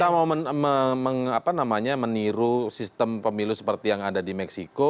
kita mau meniru sistem pemilu seperti yang ada di meksiko